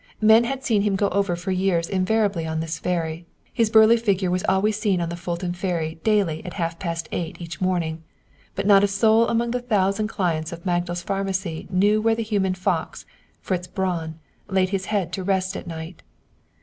Men had seen him go over for years invariably on this ferry, his burly figure was always seen on the Fulton Ferry daily at half past eight each morning, but not a soul among the thousand clients of Magdal's Pharmacy knew where the human fox, Fritz Braun, laid his head to rest at night.